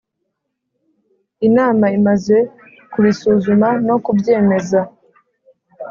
Inama imaze kubisuzuma no kubyemeza